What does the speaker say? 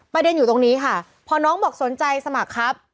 อยู่ตรงนี้ค่ะพอน้องบอกสนใจสมัครครับ